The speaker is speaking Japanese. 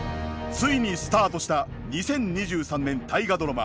ついにスタートした２０２３年大河ドラマ